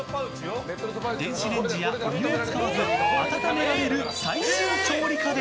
電子レンジや、お湯を使わず温められる最新調理家電。